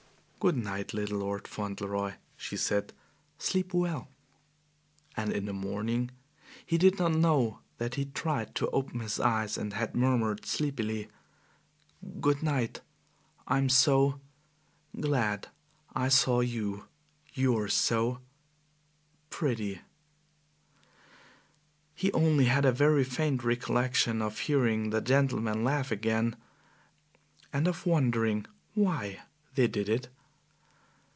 "Good night, little Lord Fauntleroy," she said. "Sleep well." And in the morning he did not know that he had tried to open his eyes and had murmured sleepily, "Good night I'm so glad I saw you you are so pretty " He only had a very faint recollection of hearing the gentlemen laugh again and of wondering why they did it.